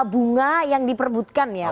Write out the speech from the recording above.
bunga yang diperbutkan ya